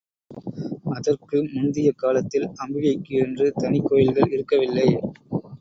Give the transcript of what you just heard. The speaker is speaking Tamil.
அதற்கு முந்திய காலத்தில் அம்பிகைக்கு என்று தனிக் கோயில்கள் இருக்கவில்லை.